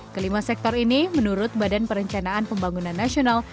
kelima sektor ini menurut badan perencanaan pembangunan nasional